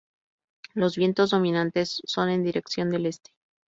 Los vientos dominantes son en dirección del este.